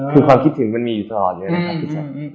คือความคิดถึงมันมีอยู่ตลอดเลย